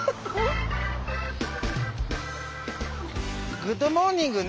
グッドモーニングね。